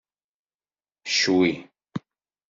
Ccwi!